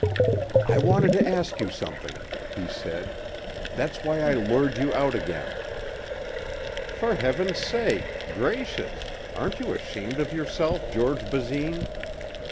"I wanted to ask you something," he said. "That's why I lured you out again." "For heaven's sake! Gracious! Aren't you ashamed of yourself, George Basine!"